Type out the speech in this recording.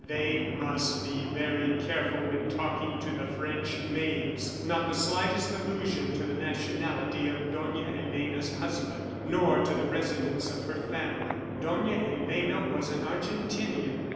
They must be very careful when talking to the French maids not the slightest allusion to the nationality of Dona Elena's husband nor to the residence of her family. Dona Elena was an Argentinian.